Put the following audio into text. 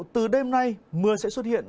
từ đêm nay mưa sẽ xuất hiện